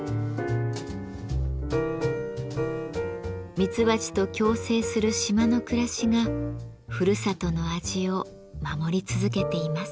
ミツバチと共生する島の暮らしがふるさとの味を守り続けています。